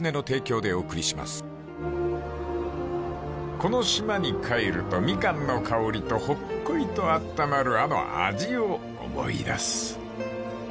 ［この島に帰るとみかんの香りとほっこりとあったまるあの味を思い出す］